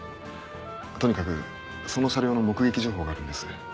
とにかくその車両の目撃情報があるんです。